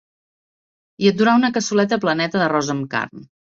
I et durà una cassoleta pleneta d’arròs amb carn.